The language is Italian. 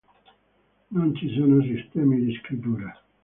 Non ci sono sistemi di scrittura.